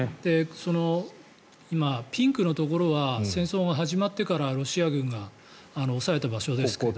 今、ピンクのところは戦争が始まってからロシア軍が押さえた場所ですけど。